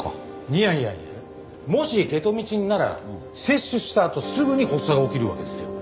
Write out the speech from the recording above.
いやいやいやもしケトミチンなら摂取したあとすぐに発作が起きるわけですよ。